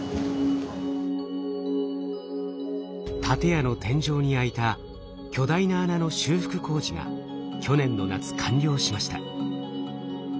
建屋の天井に開いた巨大な穴の修復工事が去年の夏完了しました。